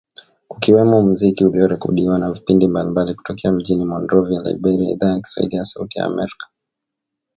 Kukiwemo muziki uliorekodiwa na vipindi mbalimbali kutokea mjini Monrovia, Liberia Idhaa ya Kiswahili ya Sauti ya amerka